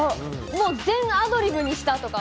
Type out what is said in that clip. もう全アドリブにしたとか？